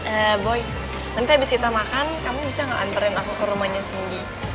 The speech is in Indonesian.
eh boy nanti abis kita makan kamu bisa gak anterin aku ke rumahnya singgi